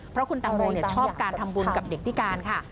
เพราะคุณตังโมชอบการทำบุญกับเด็กพิการค่ะ